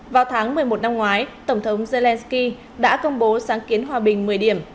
vào tháng một mươi một năm ngoái tổng thống zelensky đã công bố sáng kiến hòa bình một mươi điểm